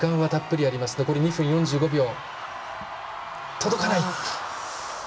届かない。